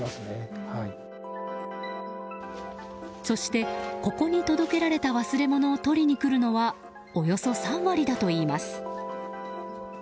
そして、ここに届けられた忘れ物を取りに来るのはおよそ３割だといいます。